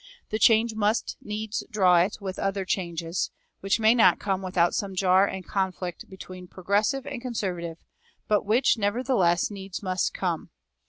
The change must needs draw with it other changes, which may not come without some jar and conflict between progressive and conservative, but which nevertheless needs must come.